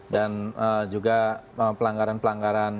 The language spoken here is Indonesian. dan juga pelanggaran pelanggaran